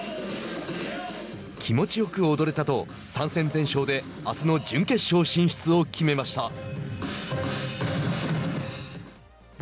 「気持ちよく踊れた」と３戦全勝であすの準決勝進出を決めました。